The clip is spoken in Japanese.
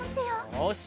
よし。